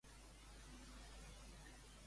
Qui va ser Focos?